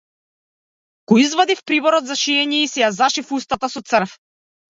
Го извадив приборот за шиење и си ја зашив устата со црв.